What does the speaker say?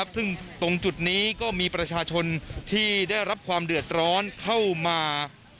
ซึ่งตรงจุดนี้ก็มีประชาชนที่ได้รับความเดือดร้อนเข้ามา